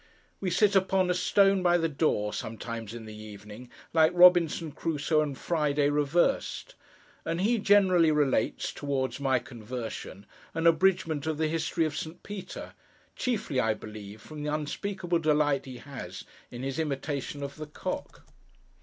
We sit upon a stone by the door, sometimes in the evening, like Robinson Crusoe and Friday reversed; and he generally relates, towards my conversion, an abridgment of the History of Saint Peter—chiefly, I believe, from the unspeakable delight he has in his imitation of the cock.